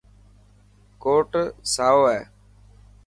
ڪوٽ سائو هي.